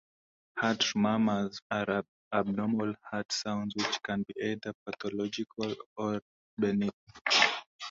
Heart murmurs are abnormal heart sounds which can be either pathological or benign.